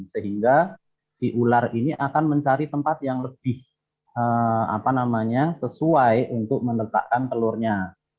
sehingga si ular ini akan mencari tempat yang lebih sesuai untuk meletakkan telurnya